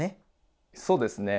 そうですね